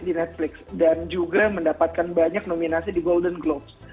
di netflix dan juga mendapatkan banyak nominasi di golden globes